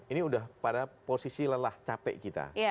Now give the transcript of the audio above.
ini sudah pada posisi lelah capek kita